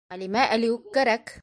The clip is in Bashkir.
Ғәлимә әле үк кәрәк!